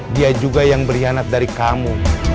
dia juga yang berkhianat dari kamu